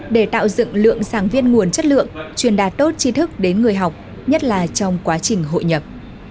để tạo dựng lượng sáng viên nguồn chất lượng truyền đạt tốt chi thức đến người học nhất là trong quá trình hội nhập